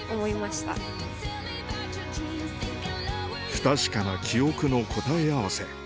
不確かな記憶の答え合わせ